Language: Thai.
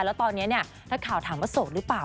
แล้วตอนนี้นักข่าวถามว่าโสดหรือเปล่า